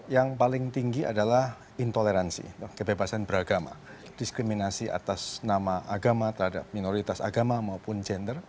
yang paling tinggi adalah intoleransi kebebasan beragama diskriminasi atas nama agama terhadap minoritas agama maupun gender